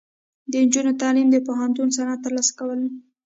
د نجونو تعلیم د پوهنتون سند ترلاسه کول دي.